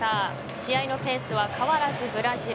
試合のペースは変わらずブラジル。